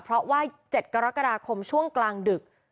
เพราะว่า๗กรกฎาคมช่วงกลางดึก